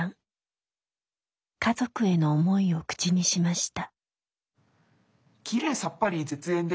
家族への思いを口にしました。